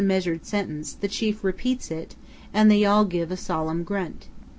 321 measured sentence the chief repeats it and they all give a solemn grunt.